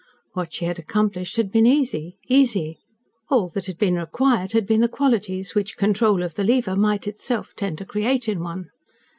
What she had accomplished had been easy easy. All that had been required had been the qualities which control of the lever might itself tend to create in one.